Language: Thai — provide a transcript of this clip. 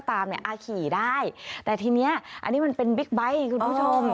อาจขี่ได้แต่ทีนี้อันนี้เป็นบิ๊กไบต์